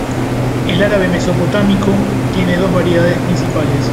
El árabe mesopotámico tiene dos variedades principales.